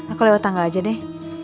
aku lewat tangga aja deh